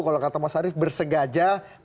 kalau kata mas arief bersegaja